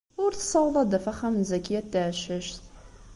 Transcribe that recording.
Ur tessaweḍ ad d-taf axxam n Zakiya n Tɛeccact.